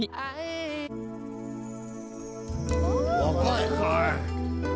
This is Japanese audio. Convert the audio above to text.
「若い！」